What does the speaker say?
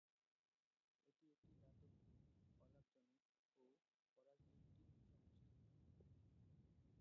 এটি একটি দাতব্য, অলাভজনক ও অরাজনৈতিক সংস্থা।